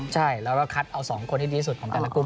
ใช่แล้วก็คัดเอา๒คนที่ดีสุดของแต่ละกลุ่ม